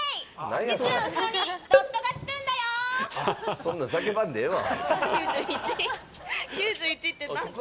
そんなん叫ばんでええわ！